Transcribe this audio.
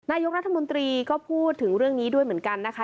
นายกรัฐมนตรีก็พูดถึงเรื่องนี้ด้วยเหมือนกันนะคะ